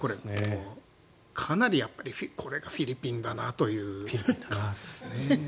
かなりこれがフィリピンだなという感じですね。